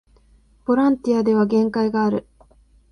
ボランティアでは限界がある